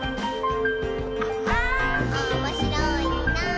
「おもしろいなぁ」